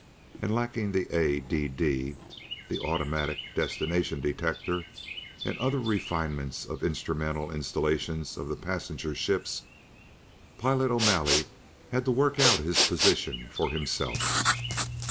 And, lacking the A.D.D. the Automatic Destination Detector and other refinements of instrumental installations of the passenger ships, Pilot O'Malley had to work out his position for himself.